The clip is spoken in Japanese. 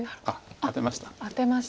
アテました。